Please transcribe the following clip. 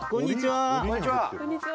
こんにちは！